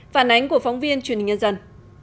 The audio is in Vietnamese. phản ánh của phóng viên truyền hình nhân dân